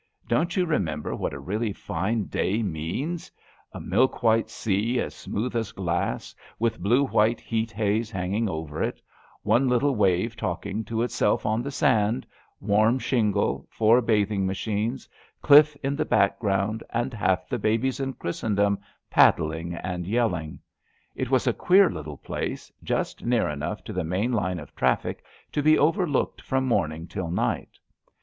Don^t you remember what a really fine day means ? A milk white sea, as smooth as glass, with blue white heat haze hanging over it, one little wave talking to itself on the sand, warm shingle, four bathing machines, cliff in the background, and half the babies in Christendom paddling and yelling. It was a qu6er little place, just near enough to the main line of traffic to be overlooked from morning till night.